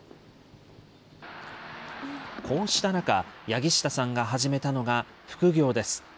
こうした中、柳下さんが始めたのが副業です。